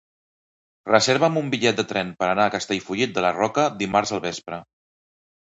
Reserva'm un bitllet de tren per anar a Castellfollit de la Roca dimarts al vespre.